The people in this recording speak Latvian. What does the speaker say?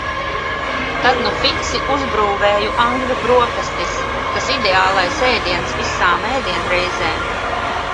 Tad nu fiksi uzbrūvēju angļu brokastis, tas ideālais ēdiens visām ēdienreizēm.